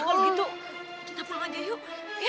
kalau gitu kita pulang aja yuk